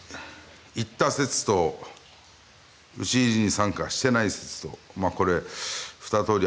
行った説と討ち入りに参加してない説とこれ２通りあるみたいで。